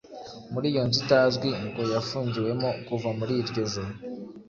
Muri iyo nzu itazwi ngo yafungiwemo kuva muri iryo joro,